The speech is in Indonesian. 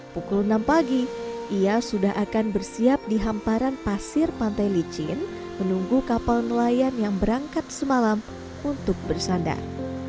pukul enam pagi ia sudah akan bersiap di hamparan pasir pantai licin menunggu kapal nelayan yang berangkat semalam untuk bersandar